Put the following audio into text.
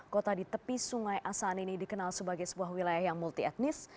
kota di tepi sungai asahan ini dikenal sebagai sebuah wilayah yang multi etnis